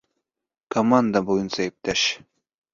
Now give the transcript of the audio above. Команда буйынса иптәш